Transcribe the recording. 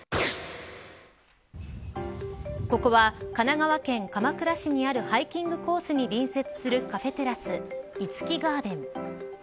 ここは神奈川県鎌倉市にあるハイキングコースに隣接するカフェテラス、樹ガーデン。